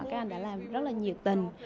các anh đã làm rất là nhiệt tình